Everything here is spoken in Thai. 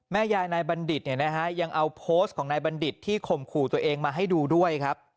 ยายนายบัณฑิตเนี่ยนะฮะยังเอาโพสต์ของนายบัณฑิตที่ข่มขู่ตัวเองมาให้ดูด้วยครับ